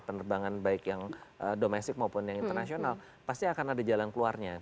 penerbangan baik yang domestik maupun yang internasional pasti akan ada jalan keluarnya